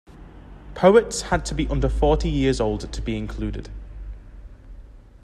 Poets had to be under forty years old to be included.